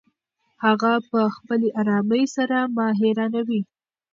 هغه په خپلې ارامۍ سره ما حیرانوي.